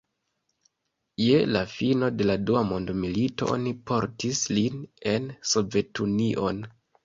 Je la fino de la dua mondmilito oni portis lin en Sovetunion.